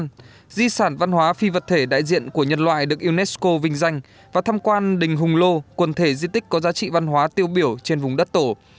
trong di sản văn hóa phi vật thể đại diện của nhân loại được unesco vinh danh và thăm quan đình hùng lô quần thể di tích có giá trị văn hóa tiêu biểu trên vùng đất tổ